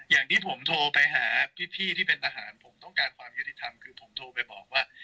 อย่างที่ผมโทรไปหาพี่ที่เป็นทหารผมต้องการความยุติธรรมคือผมโทรไปบอกว่า